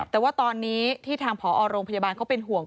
แต่ว่าตอนนี้ที่ทางผอโรงพยาบาลเขาเป็นห่วง